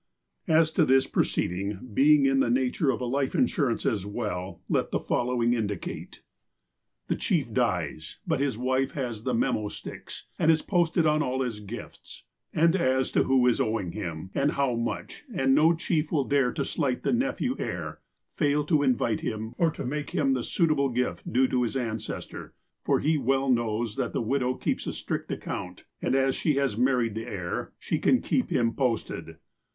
As to this proceeding being in the nature of a life in surance as well, let the following indicate : PECULIAR CUSTOMS 79 The chief dies, but his wife has the memo sticks, and Is posted on all his gifts, and as to who is owing him, and how much, and no chief will dare to slight the nephew heir, fail to invite him, or to make him the suitable gift due to his ancestor, for he well knows that the widow keeps a strict account, and as she has married the heir, she can keep him posted.